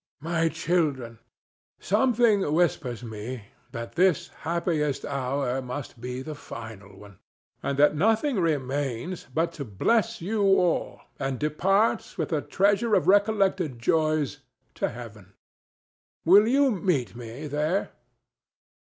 My children! Something whispers me that this happiest hour must be the final one, and that nothing remains but to bless you all and depart with a treasure of recollected joys to heaven. Will you meet me there?